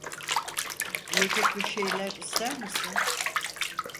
Yiyecek bir şeyler ister misin?